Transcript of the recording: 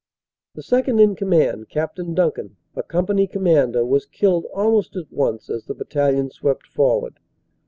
The second in command, Captain Duncan, a company com mander, was killed almost at once as the battalion swept for ward.